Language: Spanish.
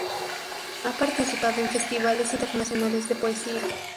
Ha participado en festivales internacionales de poesía.